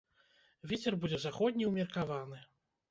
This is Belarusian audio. Вецер будзе заходні ўмеркаваны.